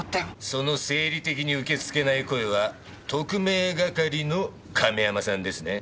その生理的に受け付けない声は特命係の亀山さんですね？